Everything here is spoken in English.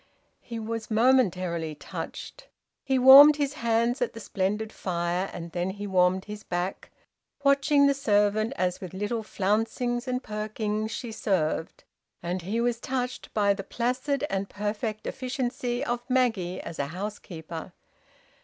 He was momentarily touched. He warmed his hands at the splendid fire, and then he warmed his back, watching the servant as with little flouncings and perkings she served, and he was touched by the placid and perfect efficiency of Maggie as a housekeeper.